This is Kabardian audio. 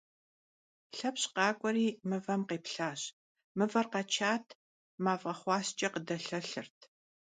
Lhepş khak'ueri mıvem khêplhaş: mıver kheçat, maf'e xhuasç'e khıdelhelhırt.